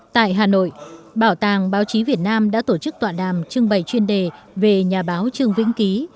tại hà nội bảo tàng báo chí việt nam đã tổ chức tọa đàm trưng bày chuyên đề về nhà báo trương vĩnh ký